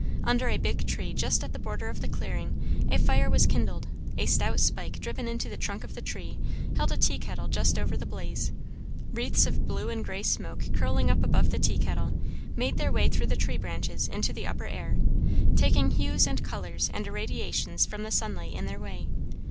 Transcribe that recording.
Under a big tree just at the border of the clearing a fire was kindled; a stout spike driven into the trunk of the tree held a tea kettle just over the blaze. Wreaths of blue and grey smoke curling up above the tea kettle made their way through the tree branches into the upper air, taking hues and colours and irradiations from the sunlight in their way.